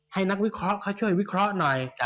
ให้นักวิเคราะห์เขาช่วยวิเคราะห์หน่อย